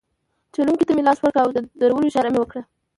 چلونکي ته مې لاس ورکړ او د درولو اشاره مې وکړه.